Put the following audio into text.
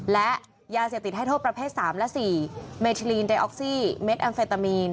และยาเสพติดให้โทษประเภท๓และ๔เมทิลีนเดออกซี่เม็ดแอมเฟตามีน